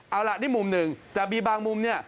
เอาล่ะนี่มุมหนึ่งแต่มีบางมุมเนี่ย